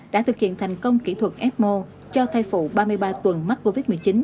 một trăm bảy mươi năm đã thực hiện thành công kỹ thuật ecmo cho thay phụ ba mươi ba tuần mắc covid một mươi chín